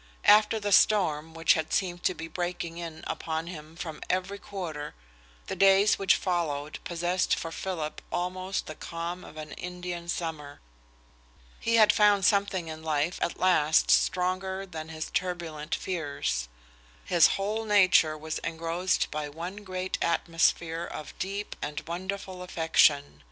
After the storm which had seemed to be breaking in upon him from every quarter, the days which followed possessed for Philip almost the calm of an Indian summer. He had found something in life at last stronger than his turbulent fears. His whole nature was engrossed by one great atmosphere of deep and wonderful affection.